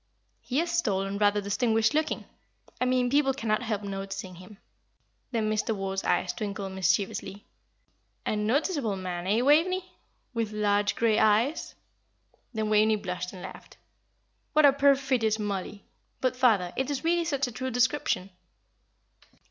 "He is tall and rather distinguished looking. I mean, people cannot help noticing him." Then Mr. Ward's eyes twinkled mischievously. "'A noticeable man,' eh, Waveney? 'with large grey eyes?'" Then Waveney blushed and laughed. "What a perfidious Mollie! But, father, it is really such a true description!